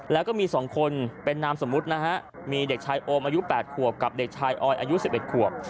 แล้วก็มี๒คนเป็นนามสมมุตินะฮะมีเด็กชายโอมอายุ๘ขวบกับเด็กชายออยอายุ๑๑ขวบ